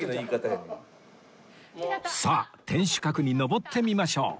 さあ天守閣に上ってみましょう